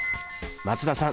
松田さん